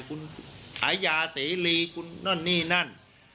คุณฉายาเสรีคุณนั่นนี่นั่น